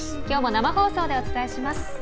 きょうも生放送でお伝えします。